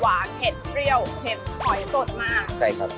หวานเสร็จสเตรียวเสร็จหอยสดมาก